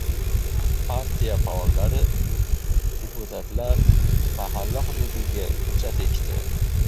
Partiya faollari, deputatlar mahalla hududiga ko‘chat ekdi